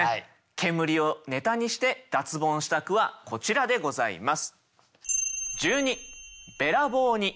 煙をネタにして脱ボンした句はこちらでございます。